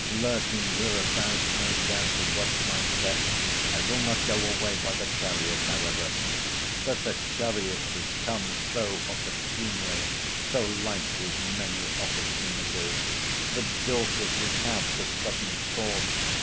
—Lurking hereabouts, no doubt, to watch my steps!—I will not go away by the chariot, however.—— 'That the chariot should come so opportunely! So like his many opportunities!—That Dorcas should have the sudden thought!